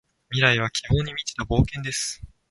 未来は希望に満ちた冒険です。